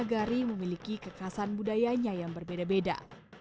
pada saat ini pakaiannya memiliki kekasan budayanya yang berbeda beda